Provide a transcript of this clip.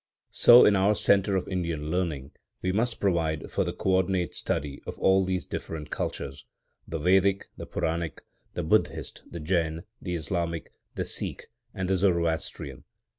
So, in our centre of Indian learning, we must provide for the co ordinate study of all these different cultures,—the Vedic, the Puranic, the Buddhist, the Jain, the Islamic, the Sikh and the Zoroastrian.